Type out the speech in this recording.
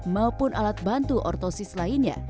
maupun alat bantu ortosis lainnya